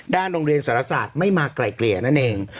โรงเรียนสารศาสตร์ไม่มาไกลเกลี่ยนั่นเอง